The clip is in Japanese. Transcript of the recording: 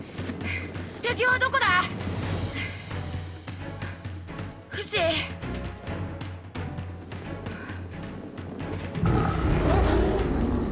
敵はどこだ⁉フシ？ん